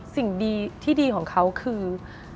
สิ่งดีที่ดีของเขาคือ